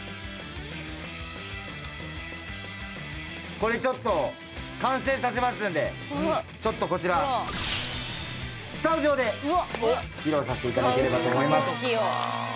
これちょっと完成させますんでちょっとこちらスタジオで披露させて頂ければと思います。